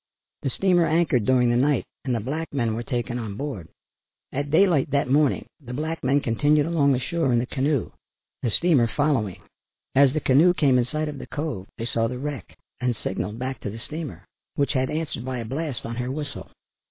The steamer anchored during the night and the black men were taken on board. At daylight that morning the black men continued along the shore in the canoe, the steamer following. As the canoe came in sight of the cove they saw the wreck and signalled back to the steamer, which had answered by a blast on her whistle.